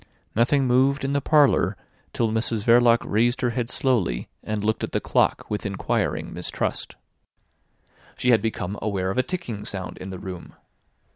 Nothing moved in the parlour till Mrs Verloc raised her head slowly and looked at the clock with inquiring mistrust. She had become aware of a ticking sound in the room.